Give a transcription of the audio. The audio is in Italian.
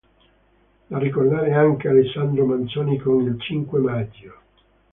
Da ricordare anche Alessandro Manzoni con "Il cinque maggio".